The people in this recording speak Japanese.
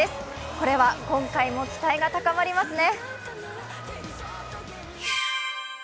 これは今回も期待が高まりますね。